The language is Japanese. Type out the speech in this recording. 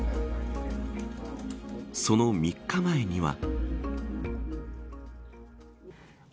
その３日前には。